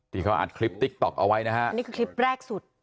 ที่เขาอัดคลิปติ๊กต๊อกเอาไว้นะฮะนี่คือคลิปแรกสุด